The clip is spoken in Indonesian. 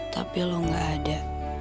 tapi lo gak ada